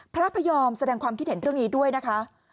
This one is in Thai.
พระพยอมแสดงความคิดเห็นเรื่องนี้ด้วยนะคะ